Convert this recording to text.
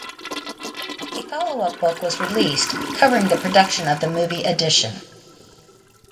A follow-up book was released, covering the production of the Movie Edition.